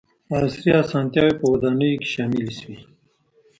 • عصري اسانتیاوې په ودانیو کې شاملې شوې.